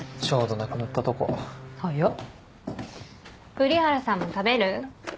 瓜原さんも食べる？